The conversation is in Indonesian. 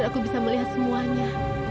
aku bisa melihat semuanya